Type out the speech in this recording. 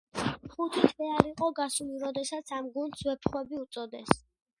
ხუთი თვე არ იყო გასული, როდესაც ამ გუნდს „ვეფხვები“ უწოდეს.